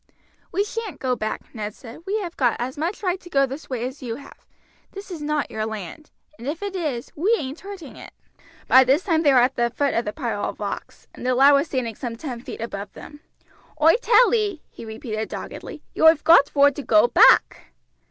"We shan't go back," Ned said; "we have got as much right to go this way as you have. This is not your land; and if it is, we ain't hurting it." By this time they were at the foot of the pile of rocks, and the lad was standing some ten feet above them. "Oi tell ee," he repeated doggedly, "yoi've got vor to go back."